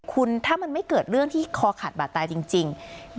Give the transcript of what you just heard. คุณถ้ามันไม่เกิดเรื่องที่คอขาดบาดตายจริง